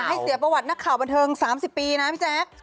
เสียประวัตินักข่าวบันเทิง๓๐ปีนะพี่แจ๊ค